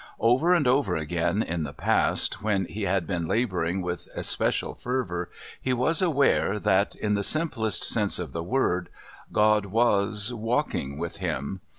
Over and over again in the past, when he had been labouring with especial fervour, he was aware that, in the simplest sense of the word, God was "walking with him."